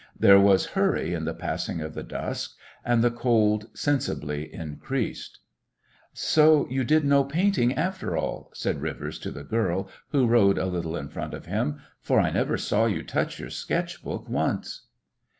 There was hurry in the passing of the dusk. And the cold sensibly increased. "So you did no painting after all," said Rivers to the girl who rode a little in front of him, "for I never saw you touch your sketch book once."